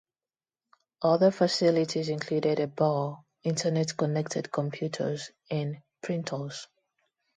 Other facilities included a bar, Internet-connected computers and printers.